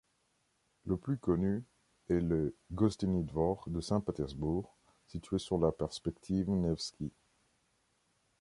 Le plus connu est le Gostiny Dvor de Saint-Pétersbourg, situé sur la perspective Nevski.